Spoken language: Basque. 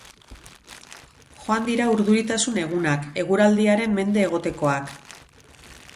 Joan dira urduritasun egunak, eguraldiaren mende egotekoak.